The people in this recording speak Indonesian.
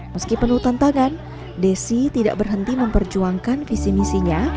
meski penuh tantangan desi tidak berhenti memperjuangkan visi misinya